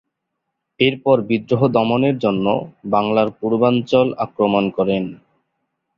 এরপর বিদ্রোহ দমনের জন্য বাংলার পূর্বাঞ্চল আক্রমণ করেন।